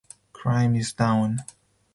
Crime is down.